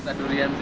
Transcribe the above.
cinta durian sih